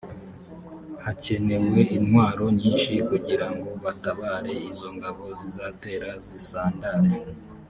hakenewe intwaro nyinshi kugirango batabare izo ngabo zizatera zisandare